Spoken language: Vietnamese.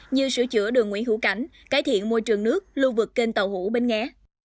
như sửa chữa đường nguyễn hữu cảnh cải thiện môi trường nước lưu vực kênh tàu hủ bên nghe